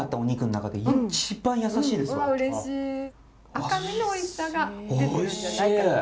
赤身のおいしさが出てるんじゃないかと。